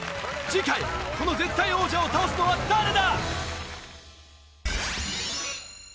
次回この絶対王者を倒すのは誰だ！？